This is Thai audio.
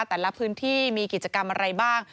แต่ละพื้นที่มีกิจกรรมอะไรบ้าง